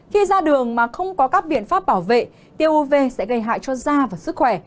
khi ra đường mà không có các biện pháp bảo vệ tiêu uv sẽ gây hại cho da và sức khỏe